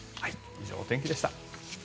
以上、お天気でした。